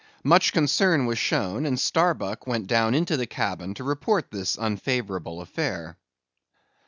Much concern was shown; and Starbuck went down into the cabin to report this unfavourable affair.